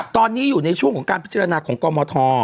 ตอนนี้อยู่ในช่วงของการพิจารณาของกรมท